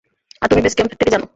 আর তুমি base camp থেকে জানো।